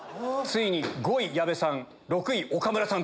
５位矢部さん６位岡村さん。